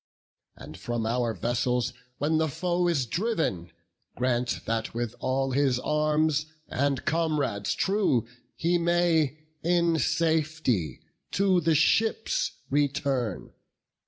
And from our vessels when the foe is driv'n, Grant that with all his arms and comrades true He may in safety to the ships return."